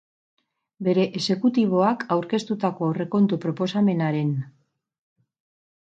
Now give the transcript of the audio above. Bere exekutiboak aurkeztutako aurrekontu proposamenaren.